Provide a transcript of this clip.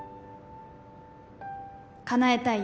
かなえたい